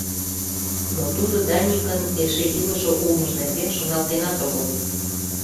Но тудо Даникын эше илыше улмыж нерген шоналтенат огыл.